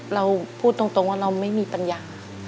เราพูดตรงว่าเราไม่มีปัญญา